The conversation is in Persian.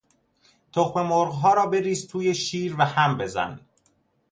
تخم مرغها را بریز توی شیر و هم بزن.